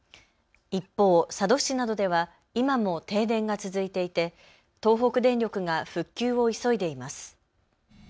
一方、佐渡市などでは今も停電が続いていて東北電力が復旧を急いでいます。